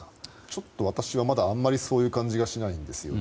ちょっと私はまだあまりそういう感じがしないんですよね。